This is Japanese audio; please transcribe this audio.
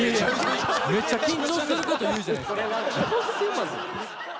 めっちゃ緊張すること言うじゃないですか。